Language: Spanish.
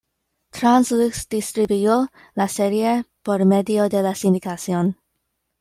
Trans-Lux distribuyó la serie por medio de la sindicación.